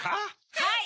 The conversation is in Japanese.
はい！